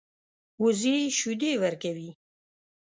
وزې شیدې ورکوي